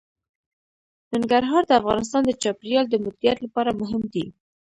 ننګرهار د افغانستان د چاپیریال د مدیریت لپاره مهم دي.